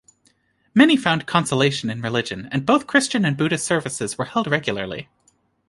Many found consolation in religion, and both Christian and Buddhist services were held regularly.